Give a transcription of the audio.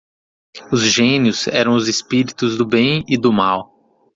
Os gênios eram os espíritos do bem e do mal.